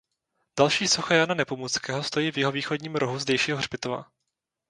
Další socha Jana Nepomuckého stojí v jihovýchodním rohu zdejšího hřbitova.